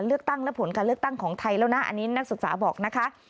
เลือกตั้งและผลการเลือกตั้งของไทยแล้วนะอันนี้นักศึกษาบอกนะคะ